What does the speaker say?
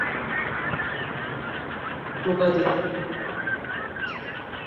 আলম মুসাববীরের রঙিন চিত্রকর্মগুলি ঢাকার ইতিহাস ও সংস্কৃতির গুরুত্বপূর্ণ প্রামাণ্য দলিল।